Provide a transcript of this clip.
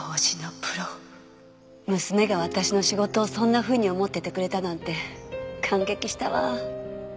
娘が私の仕事をそんなふうに思っててくれたなんて感激したわ。